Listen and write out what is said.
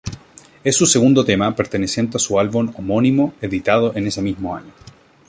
Es su segundo tema perteneciente a su álbum homónimo editado en ese mismo año.